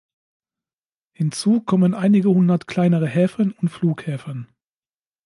Hinzu kommen einige hundert kleinere Häfen und Flughäfen.